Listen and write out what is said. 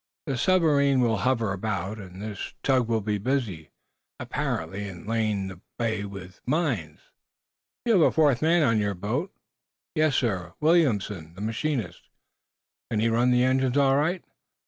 The submarine will hover about, and this tug will be busy, apparently, in laying the bay with mines. You have a fourth man on your boat?" "Yes, sir; Williamson, the machinist." "Can he run the engines all right?"